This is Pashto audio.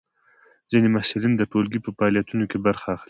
ځینې محصلین د ټولګي په فعالیتونو کې برخه اخلي.